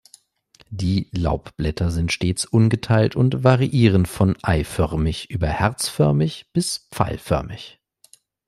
Die Laubblätter sind stets ungeteilt und variieren von eiförmig über herzförmig bis pfeilförmig.